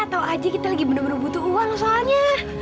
tahu aja kita lagi bener bener butuh uang soalnya